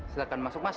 silahkan masuk mas